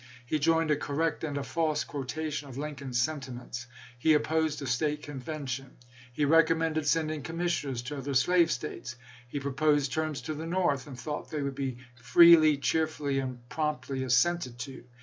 He joined a correct and a false quotation of Lincoln's sentiments. He opposed a State convention. He recommended sending commissioners to other slave States. He proposed terms to the North, and thought they would be "freely, cheerfully, and promptly assented to."